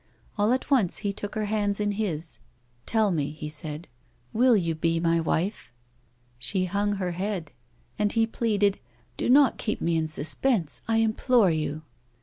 All at once he took her hands in his. 44 A WOMAN'S LIFE. " Tell me," he said, " will you be my wife 1 " She hung her head, and he pleaded, "Do not keep me in suspense, I implore you."